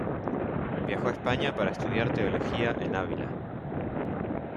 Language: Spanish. Viajó a España para estudiar Teología en Ávila.